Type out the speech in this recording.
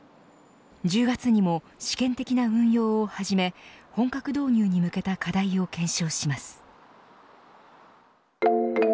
１０月にも、試験的な運用を始め本格導入に向けた課題を検証します。